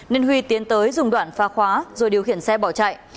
nên huy tiến tới dùng đoạn pha khóa rồi điều khiển xe bỏ chạy